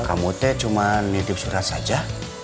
kamu teh cuma nitip surat saja